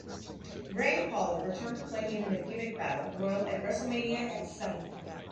Ray Apollo returned to play him in the Gimmick Battle Royal at WrestleMania X-Seven.